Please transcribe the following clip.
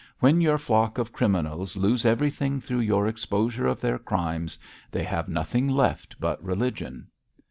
'When your flock of criminals lose everything through your exposure of their crimes, they have nothing left but religion.'